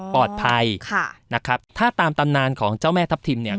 ปลอดภัยค่ะนะครับถ้าตามตำนานของเจ้าแม่ทัพทิมเนี่ย